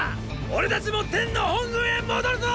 俺たちもテンの本軍へ戻るぞ！